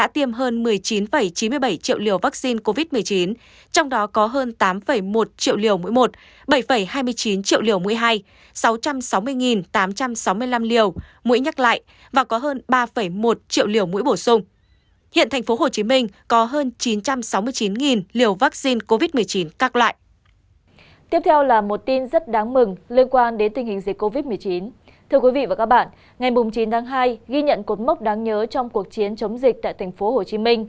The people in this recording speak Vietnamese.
thưa quý vị và các bạn ngày chín tháng hai ghi nhận cột mốc đáng nhớ trong cuộc chiến chống dịch tại tp hcm